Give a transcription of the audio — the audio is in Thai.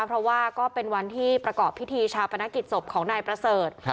เพราะว่าก็เป็นวันที่ประกอบพิธีชาปนกิจศพของนายประเสริฐ